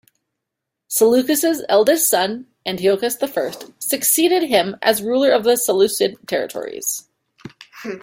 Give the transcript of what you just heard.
Seleucus' eldest son Antiochus the First succeeded him as ruler of the Seleucid territories.